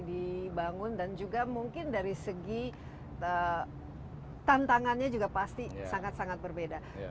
dibangun dan juga mungkin dari segi tantangannya juga pasti sangat sangat berbeda